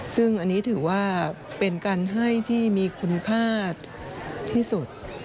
ซึ่งอันนี้ถือว่าเป็นการให้ที่มีคุณค่าที่สุด